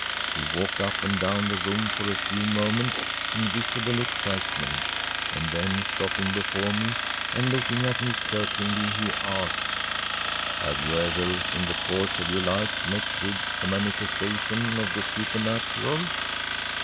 He walked up and down the room for a few moments in visible excitement, and then, stopping before me, and looking at me searchingly, he asked: “Have you ever, in the course of your life, met with a manifestation of the supernatural?